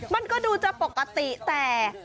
มันก็ดูจะปกติแต่